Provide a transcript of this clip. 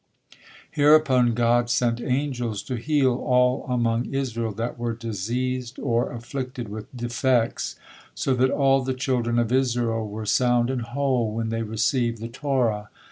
Hereupon God sent angels to heal all among Israel that were diseased or afflicted with defects, so that all the children of Israel were sound and whole when they received the Torah.